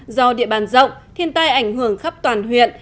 do địa bàn rộng thiên tai ảnh hưởng khắp toàn huyện